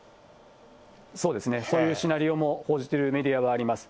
そういうシナリオも報じているメディアはあります。